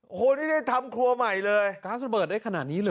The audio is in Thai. โอ้โหนี่ได้ทำครัวใหม่เลยก๊าซระเบิดได้ขนาดนี้เลย